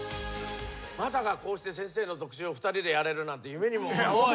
まさかこうして先生の特集を２人でやれるなんて夢にも思ってない。